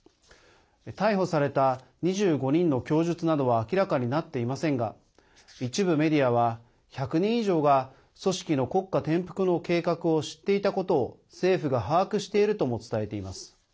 逮捕された２５人の供述などは明らかになっていませんが一部メディアは、１００人以上が組織の国家転覆の計画を知っていたことを政府が把握しているとも伝えています。